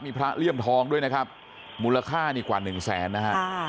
มีพระเลี่ยมทองด้วยนะครับมูลค่านี่กว่าหนึ่งแสนนะฮะ